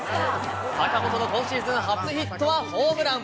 坂本の今シーズン初ヒットはホームラン。